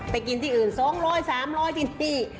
ไปกินที่อื่น๒๐๐๓๐๐บาทที่นี่